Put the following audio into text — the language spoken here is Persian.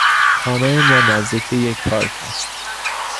خانهی ما نزدیک یک پارک است.